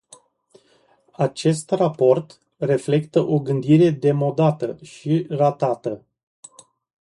Acest raport reflectă o gândire demodată și ratată.